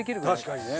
確かにね。